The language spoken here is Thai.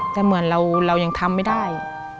แต่เหมือนเรายังทำไม่ได้